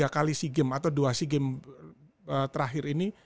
tiga kali sea games atau dua sea games terakhir ini